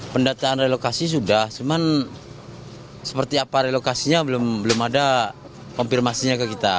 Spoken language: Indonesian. pendataan relokasi sudah cuman seperti apa relokasinya belum ada konfirmasinya ke kita